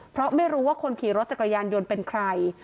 เพราะไม่รู้ว่าคนขี่รถจักรยานยนต์เป็นใคร